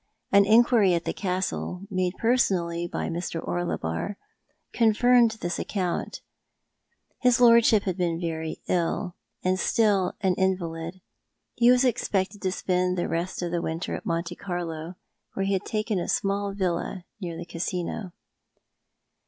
An inquiry at the Castle, made personally by Mr. Orlebar, confirmed this account. His lordship had been very ill, and was still an invalid. He was expectod to spend the rest of the winter at Monte Carlo, where ho had taken a small villa near the Casino.